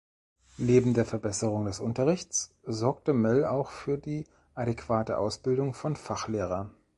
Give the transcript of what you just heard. Neben der Verbesserung des Unterrichts sorgte Mell auch für die adäquate Ausbildung von Fachlehrern.